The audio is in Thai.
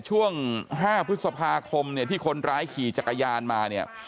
ช่วง๕พฤษภาคมเนี่ยที่คนร้ายขี่จักรยานมาเนี่ย